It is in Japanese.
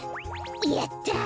やった！